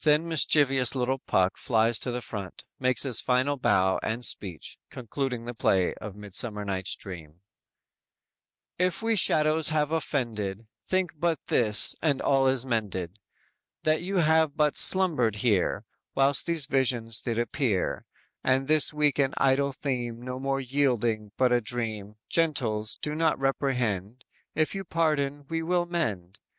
"_ Then mischievous little Puck flies to the front, makes his final bow and speech, concluding the play of "Midsummer Night's Dream": _"If we shadows have offended, Think but this, and all is mended That you have but slumbered here, While these visions did appear; And this weak and idle theme No more yielding but a dream; Gentles, do not reprehend; If you pardon we will mend.